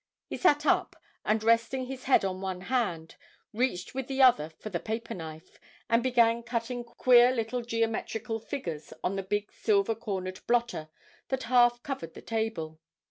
He sat up, and resting his head on one hand, reached with the other for the paper knife, and began cutting queer little geometrical figures on the big silver cornered blotter that half covered the table.